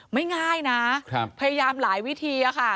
ง่ายนะพยายามหลายวิธีค่ะ